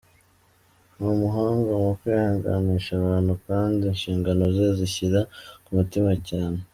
Ni umuhanga mu kwihanganisha abantu kandi inshingano ze azishyira ku mutima cyane.